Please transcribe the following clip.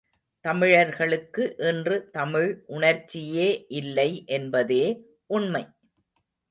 தமிழர்களுக்கு இன்று தமிழ் உணர்ச்சியே இல்லை என்பதே உண்மை!